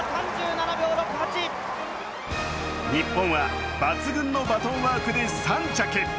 日本は抜群のバトンワークで３着。